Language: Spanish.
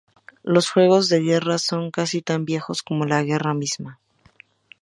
Los juegos de guerra son casi tan viejos como la guerra misma.